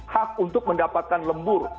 hak untuk mendapatkan lembur